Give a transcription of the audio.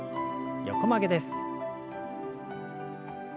横曲げです。